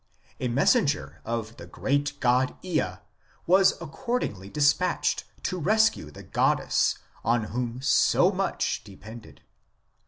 A messenger of the great god Ea was accordingly dispatched to rescue the goddess on whom so much depended.